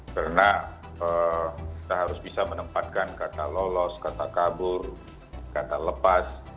karena kita harus bisa menempatkan kata lolos kata kabur kata lepas